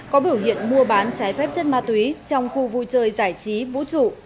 có biểu hiện mua bán trái phép chất ma túy trong khu vui chơi giải trí vũ trụ